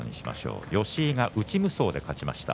吉井が内無双で勝ちました。